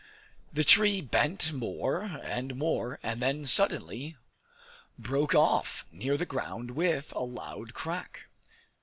The tree bent more and more, and then suddenly broke off near the ground with a loud crack.